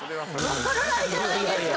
わからないじゃないですか。